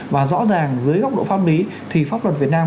và rõ ràng dưới góc độ pháp lý thì pháp luật việt nam